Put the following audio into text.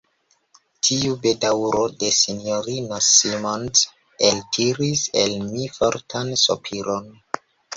Tiu bedaŭro de S-ino Simons eltiris el mi fortan sopiron.